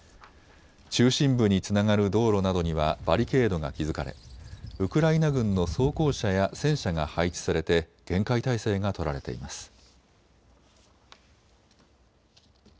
中心部につながる道路などにはバリケードが築かれ、ウクライナ軍の装甲車や戦車が配置されて厳戒態勢が取られています。